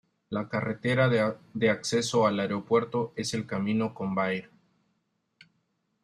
La carretera de acceso al aeropuerto es el camino Convair.